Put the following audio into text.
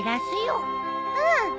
うん。